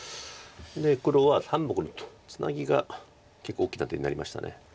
で黒は３目のツナギが結構大きな手になりました。